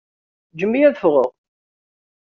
Ǧǧem-iyi ad ffɣeɣ!